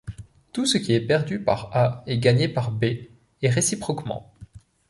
Tout ce qui est perdu par A est gagné par B et réciproquement.